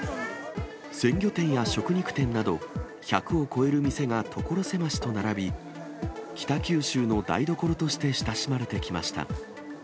鮮魚店や食肉店など、１００を超える店が所狭しと並び、北九州の台所として親しまれてきました。